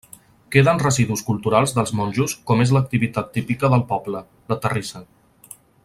Queden residus culturals dels monjos com és l'activitat típica del poble, la terrissa.